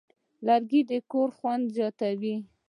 لرګی د کور خوند زیاتوي.